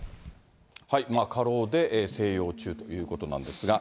過労で静養中ということなんですが。